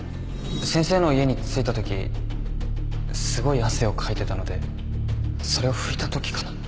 先生の家に着いたときすごい汗をかいてたのでそれを拭いたときかな